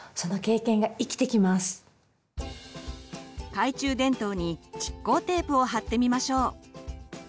懐中電灯に蓄光テープを貼ってみましょう。